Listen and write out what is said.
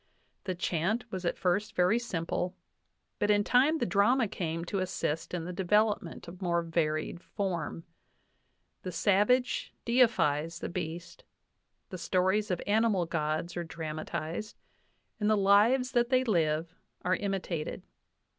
The chant was at first very simple, but in time the drama came to assist in the devel opment of more varied form. The savage deifies the beast; the stories of animal gods are dramatized, and the lives that they live are imitated.